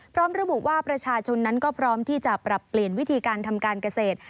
พร้อมระบุว่าประชาชนนั้นก็พร้อมที่จะปรับเปลี่ยนวิธีการทำการเกษตร